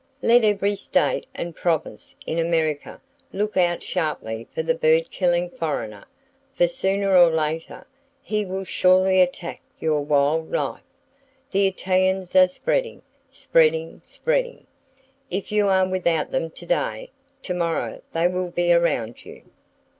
Let every state and province in America look out sharply for the bird killing foreigner; for sooner or later, he will surely attack your wild life. The Italians are spreading, spreading, spreading. If you are without them to day, to morrow they will be around you.